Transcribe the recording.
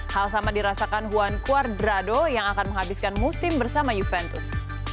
hal sama dirasakan juan cuadrado yang akan menghabiskan musim bersama juventus